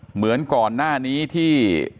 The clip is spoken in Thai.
เหมือนก่อนหน้านี้ที่